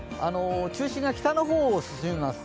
中心が北の方を進みます。